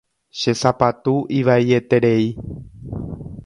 Che sapatu ivaieterei.